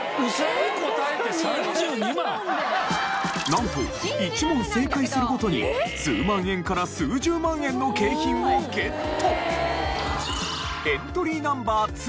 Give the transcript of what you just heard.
なんと１問正解するごとに数万円から数十万円の景品をゲット。